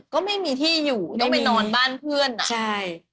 ก็ไม่มีที่อยู่ต้องไปนอนบ้านเพื่อนอ่ะใช่